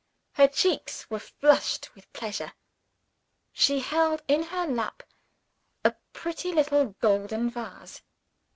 Her cheeks were flushed with pleasure. She held in her lap a pretty little golden vase.